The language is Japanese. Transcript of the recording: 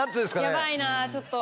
やばいなちょっと。